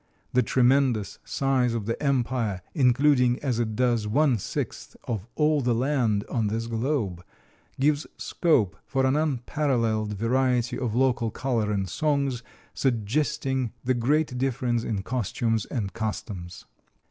The tremendous size of the Empire, including, as it does, one sixth of all the land on this globe, gives scope for an unparalleled variety of local color in songs, suggesting the great difference in costumes and customs.